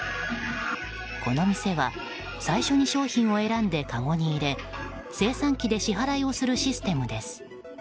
この店は最初に商品を選んでかごに入れ精算機で支払いをするシステムです。